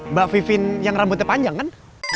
mbak vivin yang rambutnya panjang kan